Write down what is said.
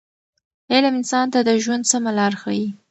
علم انسان ته د ژوند سمه لاره ښیي.